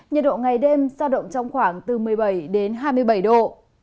nhiệt độ ngày đêm ra động trong khoảng từ một mươi bảy hai mươi bảy độ